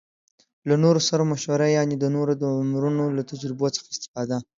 له نورو سره مشوره يعنې د نورو د عمرونو له تجربو څخه استفاده